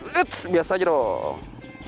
wih biasa aja dong